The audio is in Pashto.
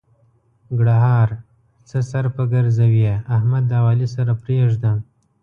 ګړهار: څه سر په ګرځوې؛ احمد او علي سره پرېږده.